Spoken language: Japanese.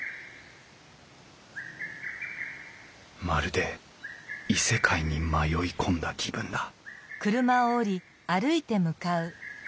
まるで異世界に迷い込んだ気分だ